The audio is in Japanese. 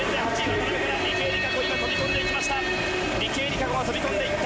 池江璃花子、飛び込んでいった。